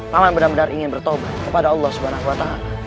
namun benar benar ingin bertobat kepada allah swt